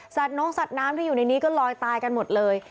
น้องสัตว์น้ำที่อยู่ในนี้ก็ลอยตายกันหมดเลย